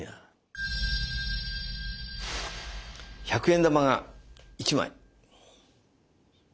１００円玉が１枚。